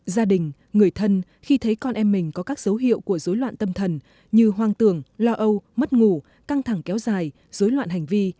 gia đình người thân khi thấy con em mình có các dấu hiệu của dối loạn tâm thần như hoang tường lo âu mất ngủ căng thẳng kéo dài dối loạn hành vi